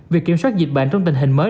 việc kiểm soát dịch bệnh trong tình hình mới